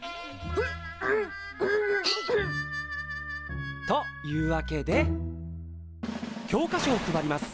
ヘッ！というわけで教科書を配ります。